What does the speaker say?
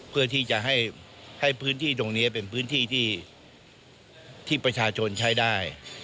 เพื่อที่จะให้พื้นที่ตรงนี้เป็นพื้นที่ที่ประชาชนใช้ได้